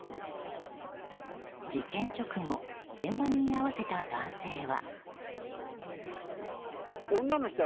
事件直後現場に居合わせた男性は。